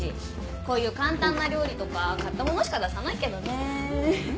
こういう簡単な料理とか買ったものしか出さないけどね。